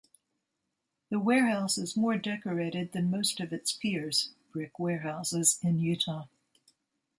The warehouse is more decorated than most of its peers (brick warehouses in Utah).